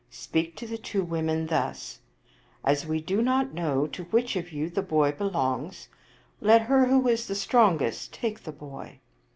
Speak to the two women thus: 'As we do not know to which of you two the boy belongs, let her who is the strong est take the boy.'